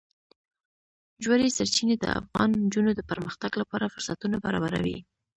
ژورې سرچینې د افغان نجونو د پرمختګ لپاره فرصتونه برابروي.